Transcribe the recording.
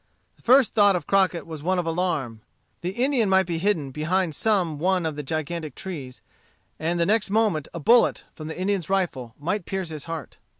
The first thought of Crockett was one of alarm. The Indian might be hidden behind some one of the gigantic trees, and the next moment a bullet, from the Indian's rifle, might pierce his heart.